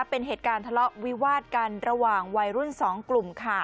เป็นเหตุการณ์ทะเลาะวิวาดกันระหว่างวัยรุ่น๒กลุ่มค่ะ